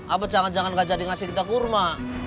apa jangan jangan nggak jadi ngasih kita kurma